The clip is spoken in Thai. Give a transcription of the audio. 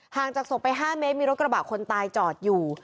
จากศพไป๕เมตรมีรถกระบะคนตายจอดอยู่